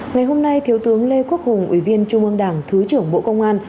ngày hôm nay thiếu tướng lê quốc hùng ủy viên trung ương đảng thứ trưởng bộ công an